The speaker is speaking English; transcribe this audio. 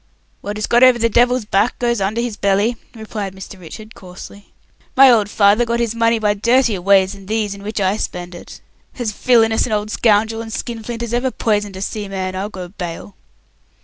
"What is got over the devil's back goes under his belly," replied Mr. Richard, coarsely. "My old father got his money by dirtier ways than these in which I spend it. As villainous an old scoundrel and skinflint as ever poisoned a seaman, I'll go bail."